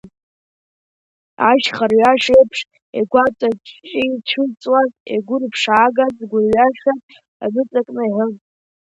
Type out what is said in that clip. Ашьха рҩаш еиԥш игәаҵаҿицәырҵуаз, игәырԥшаагаз гәырҩашәак ныҵакны иҳәон.